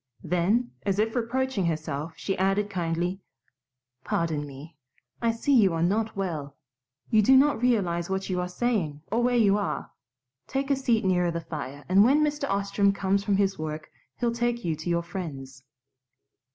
Then, as if reproaching herself, she added kindly, "Pardon me. I see you are not well. You do not realize what you are saying or where you are. Take a seat nearer the fire, and when Mr. Ostrom comes from his work he'll take you to your friends."